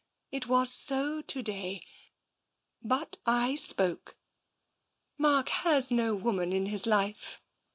It was so to day. But I spoke. Mark has no woman in his life."